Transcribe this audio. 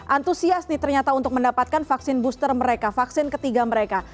antusias nih ternyata untuk mendapatkan vaksin booster mereka vaksin ketiga mereka